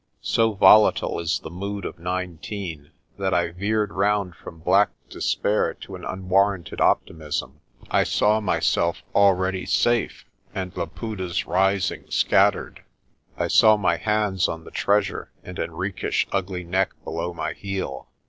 So volatile is the mood of nineteen that I veered round from black despair to an unwarranted optimism. I saw myself already safe and Laputa's rising scattered. I saw my hands on the treasure and Henriques' ugly neck below my heel.